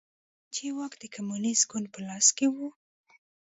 تر هغې چې واک د کمونېست ګوند په لاس کې و